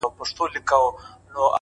غوږ سه ورته”